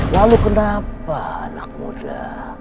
lalu kenapa anak muda